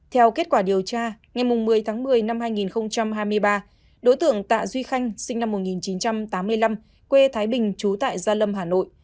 theo kết quả điều tra ngày một mươi tháng một mươi năm hai nghìn hai mươi ba đối tượng tạ duy khanh sinh năm một nghìn chín trăm tám mươi năm quê thái bình trú tại gia lâm hà nội